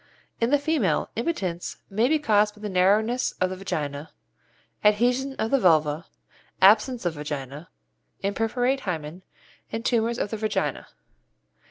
In the female, impotence may be caused by the narrowness of the vagina, adhesion of the vulva, absence of vagina, imperforate hymen, and tumours of the vagina.